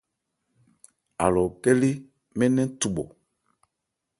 Alɔ nkɛ́ lé mɛ́n nnɛn thubhɔ.